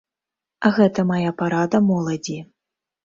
Гэта мая парада моладзі.